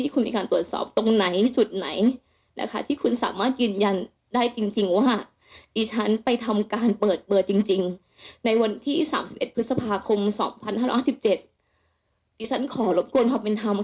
กล้องนะค่ะกล้องวงจรปิดนะคะ